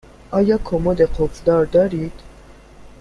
آیا کمد قفل دار دارید؟